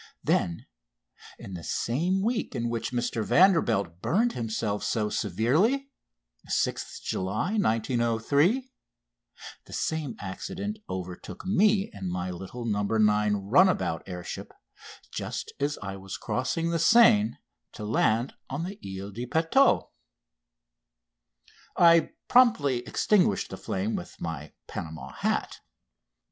Then, in the same week in which Mr Vanderbilt burned himself so severely, 6th July 1903, the same accident overtook me in my little "No. 9" runabout air ship just as I was crossing the Seine to land on the Ile de Puteaux. I promptly extinguished the flame with my Panama hat